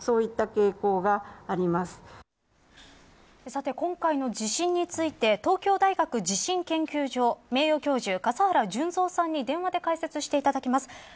さて、今回の地震について東京大学地震研究所名誉教授、笠原順三さんに電話で解説していただきます。